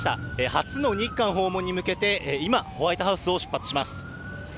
初の日韓訪問に向けて、今ホワイトハウスを出発します。